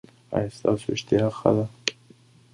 ایا ستاسو اشتها ښه ده؟